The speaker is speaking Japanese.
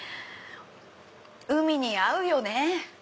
海に合うよね！